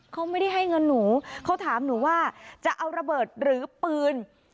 เขาไม่ได้ให้เงินหนูเขาถามหนูว่าจะเอาระเบิดหรือปืน